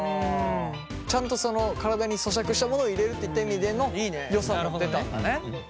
ちゃんとその体に咀嚼したものを入れるっていった意味でのよさも出たんだね。